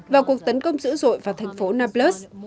và cuộc tấn công dữ dội vào thành phố nablus